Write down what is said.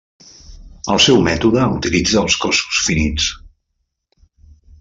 El seu mètode utilitza els cossos finits.